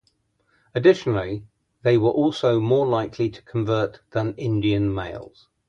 Additionally, they were also more likely to convert than Indian males.